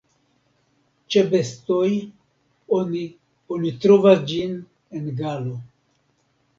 Ĉe bestoj oni oni trovas ĝin en galo.